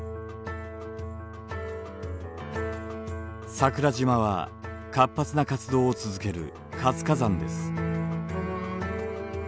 桜島は活発な活動を続ける活火山です。